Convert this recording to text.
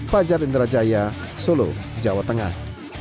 fajar indrajaya solo jawa tengah